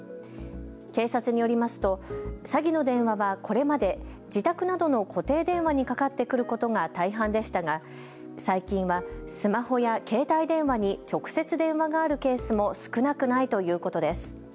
警察によりますと詐欺の電話はこれまで自宅などの固定電話にかかってくることが大半でしたが最近はスマホや携帯電話に直接、電話があるケースも少なくないということです。